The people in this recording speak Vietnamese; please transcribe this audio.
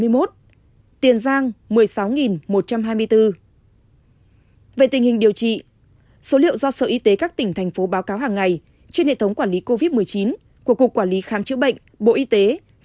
về tình hình điều trị số liệu do sở y tế các tỉnh thành phố báo cáo hàng ngày trên hệ thống quản lý covid một mươi chín của cục quản lý khám chữa bệnh bộ y tế